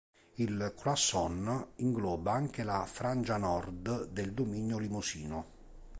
Il Croissant ingloba anche la frangia nord del dominio limosino.